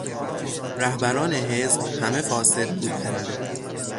رهبران حزب همه فاسد بودند.